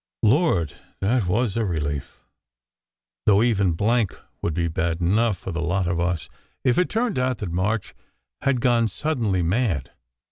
Lord, that was a relief though even blank would be bad enough for the lot of us if it turned out that March had gone suddenly mad.